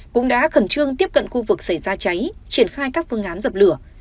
cũng đã khẩn trương tiếp cận khu vực xảy ra cháy triển khai các phương án dập lửa